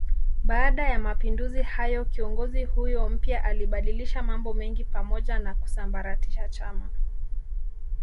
Baada ya mapinduzi hayo kiongozi huyo mpya alibadilisha mambo mengi pamoja na kusambaratisha chama